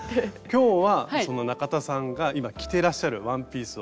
今日はその中田さんが今着てらっしゃるワンピースを。